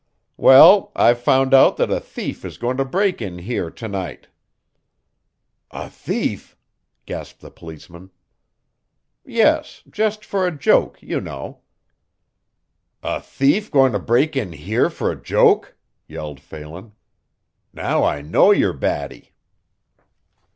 "Well, I've found out that a thief is going to break in here to night." "A thief!" gasped the policeman. "Yes, just for a joke, you know." "A thief going to break in here for a joke!" yelled Phelan. "Now I know you're batty."